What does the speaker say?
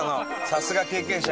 さすが経験者。